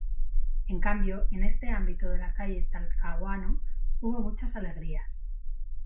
En cambio, en ese ámbito de la calle Talcahuano hubo muchas alegrías.